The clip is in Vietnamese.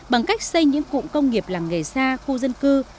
bằng cách xây những cụm công nghiệp làng nghề xa khu dân cư